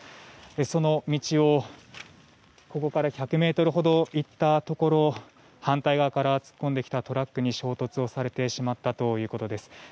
その道を、ここから１００ｍほど行ったところ反対側から突っ込んできたトラックに衝突されてしまったということです。